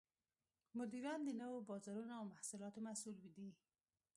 مدیران د نوو بازارونو او محصولاتو مسوول دي.